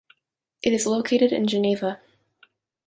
It is located in Geneva.